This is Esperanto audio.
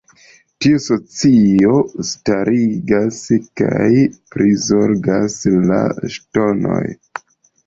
Tiu asocio starigas kaj prizorgas la ŝtonoj.